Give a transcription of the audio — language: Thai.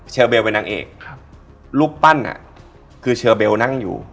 เชอร์เบลล์เป็นนางเอกลูกปั้นคือเชอร์เบลล์นั่งอยู่